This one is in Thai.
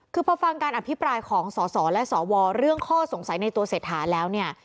คือพอฟังการอภิปรายของสสและสวเรื่องข้อสงสัยในตัวเศรษฐาแล้วเนี่ย